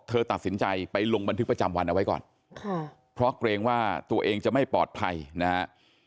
เธอตัดสินใจไปลงบันทึกประจำวันเอาไว้ก่อนค่ะเพราะเกรงว่าตัวเองจะไม่ปลอดภัยนะฮะ